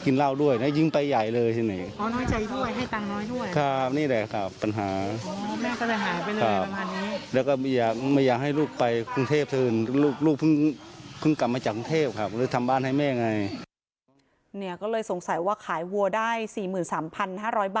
ก็เลยสงสัยว่าขายวัวได้๔๓๕๐๐บาท